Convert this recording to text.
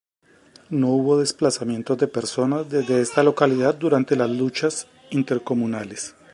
No hubo desplazamientos de personas desde esta localidad durante las luchas intercomunales.